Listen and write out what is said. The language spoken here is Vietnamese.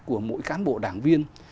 của mỗi cán bộ đảng viên